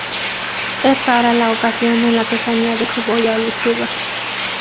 Es rara la ocasión en la que se añade cebolla o lechuga.